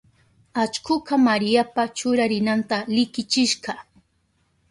Allkuka Mariapa churarinanta likichishka.